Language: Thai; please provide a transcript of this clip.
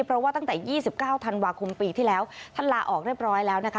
เพราะว่าตั้งแต่๒๙ธันวาคมปีที่แล้วท่านลาออกเรียบร้อยแล้วนะคะ